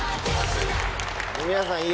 皆さん